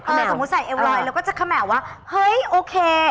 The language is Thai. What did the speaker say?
เออสมมติใส่เอวรอยแล้วก็จะคำแหมวว่าเฮ้ยโอเค